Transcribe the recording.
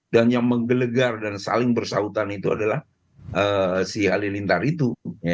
yang menggelegar dan saling bersautan itu adalah si alintar itu